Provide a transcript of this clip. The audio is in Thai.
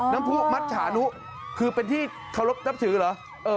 ผู้มัชชานุคือเป็นที่เคารพนับถือเหรอ